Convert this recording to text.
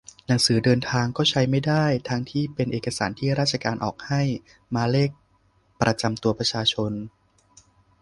หนังสือเดินทางก็ใช้ไม่ได้ ทั้งที่ก็เป็นเอกสารที่ราชการออกให้ มาเลขประจำตัวประชาชน